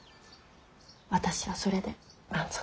私はそれで満足。